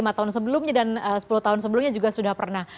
lima tahun sebelumnya dan sepuluh tahun sebelumnya juga sudah pernah